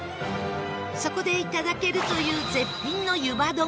そこで、いただけるという絶品の湯葉丼